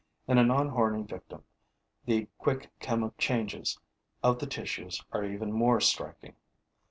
In a non horny victim, the quick chemical changes of the tissues are even more striking.